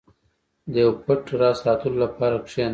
• د یو پټ راز ساتلو لپاره کښېنه.